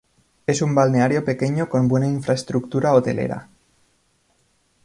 Es un balneario pequeño con buena infraestructura hotelera.